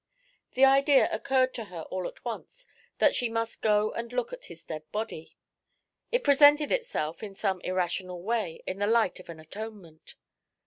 The idea occurred to her all at once that she must go and look at his dead body. It presented itself, in some irrational way, in the light of an atonement.